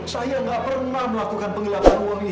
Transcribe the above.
saya tidak pernah melakukan pengelapan uang